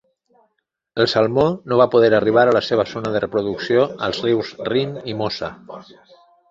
El salmó no va poder arribar a la seva zona de reproducció als rius Rin i Mosa.